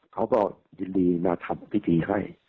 เขาก็ยินดีมาทำพิธีให้